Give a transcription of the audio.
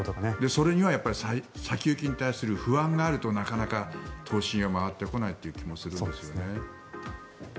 それには先行きに対する不安があるとなかなか投資には回ってこないという気もするんですよね。